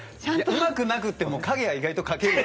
うまくなくっても影は意外と描けるよ。